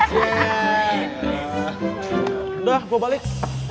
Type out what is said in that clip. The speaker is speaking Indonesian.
udah gue balik